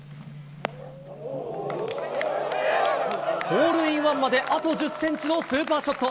ホールインワンまであと１０センチのスーパーショット。